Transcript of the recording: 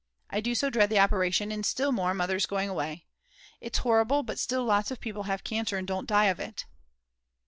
I do so dread the operation, and still more Mother's going away. It's horrible, but still lots of people have cancer and don't die of it.